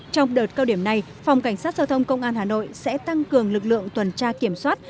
trong đợt cao điểm này phòng cảnh sát giao thông công an hà nội sẽ tăng cường lực lượng tuần tra kiểm soát